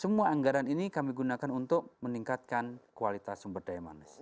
semua anggaran ini kami gunakan untuk meningkatkan kualitas sumber daya manusia